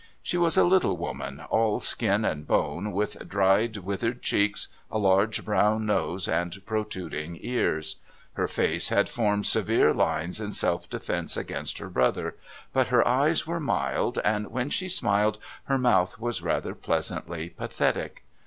She was a little woman, all skin and bone, with dried withered cheeks, a large brown nose and protruding ears. Her face had formed severe lines in self defence against her brother, but her eyes were mild, and when she smiled her mouth was rather pleasantly pathetic.